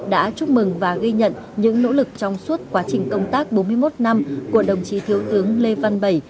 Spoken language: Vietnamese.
đã chúc mừng và ghi nhận những nỗ lực trong suốt quá trình công tác bốn mươi một năm của đồng chí thiếu tướng lê văn bảy